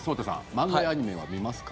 漫画やアニメは見ますか？